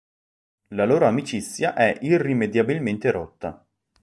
La loro amicizia è irrimediabilmente rotta.